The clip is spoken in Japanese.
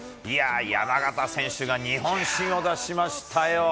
山縣選手が日本新を出しましたよ。